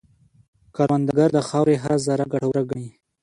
کروندګر د خاورې هره ذره ګټوره ګڼي